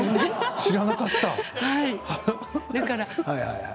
知らなかった。